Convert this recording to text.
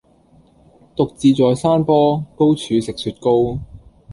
獨自在山坡,高處食雪糕.